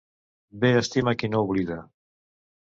Bé estima qui no oblida.